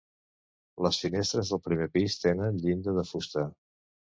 Les finestres del primer pis tenen llinda de fusta.